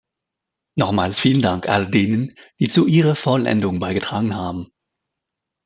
Nochmals vielen Dank all denen, die zur ihrer Vollendung beigetragen haben.